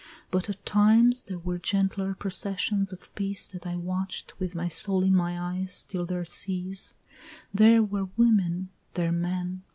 But at times there were gentler processions of peace That I watch'd with my soul in my eyes till their cease, There were women! there men!